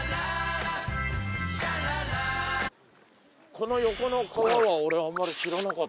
この横の川はオレあんまり知らなかったんだけど。